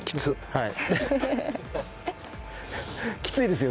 はい。